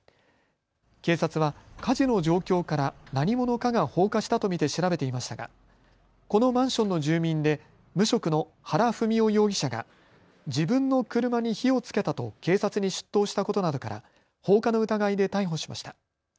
警察は火事の状況から何者かが放火したと見て調べていましたがこのマンションの住民で無職の原文雄容疑者が自分の車に火をつけたと警察に出頭したことなどから放火の疑いで逮捕しました。